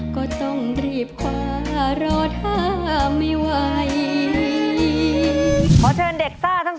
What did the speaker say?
ขอเชิญเด็กซ่าทั้งสองทีนะครับ